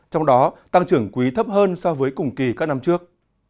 trong đó tăng trưởng quý thấp hơn so với cùng kỳ các năm trước